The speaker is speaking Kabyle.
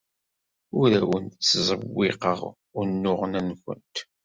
Ur awent-ttzewwiqeɣ unuɣen-nwent.